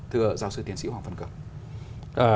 thưa giáo sư tiến sĩ hoàng phân cường